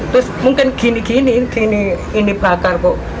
terus mungkin gini gini ini bakar kok